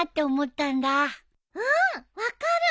うん分かる。